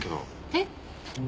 えっ？